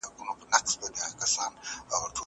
دا پریکړه د کمپیوټر لخوا شوې ده.